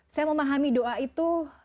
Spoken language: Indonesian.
saya memahami doa itu